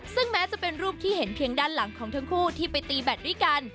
ซึ่งแม้จะเป็นรูปที่เห็นเพียงด้านหลังของทั้งคู่ที่ไปตีแบตด้วยกัน